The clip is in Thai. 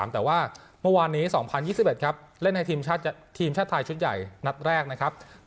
แต่ว่าเมื่อวานนี้๒๐๒๑ครับเล่นให้ทีมชาติไทยชุดใหญ่นัดแรกนะครับ